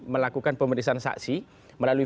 melakukan pemeriksaan saksi melalui